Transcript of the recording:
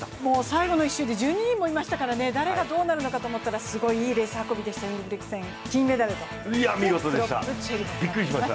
最後の１周で１２人もいましたから誰がどうなるのかと思ったら、すごいいいレースでした、インゲブリクセン、金メダルとなっています。